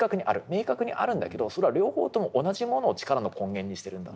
明確にあるんだけどそれは両方とも同じものを力の根源にしてるんだと。